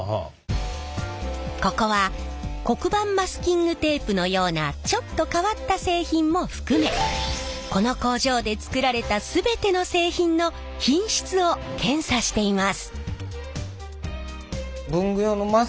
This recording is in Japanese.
ここは黒板マスキングテープのようなちょっと変わった製品も含めこの工場で作られた全ての製品の品質を検査しています。